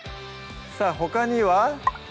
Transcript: さぁほかには？